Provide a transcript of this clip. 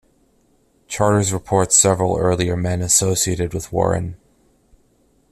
Charters report several earlier men associated with Warenne.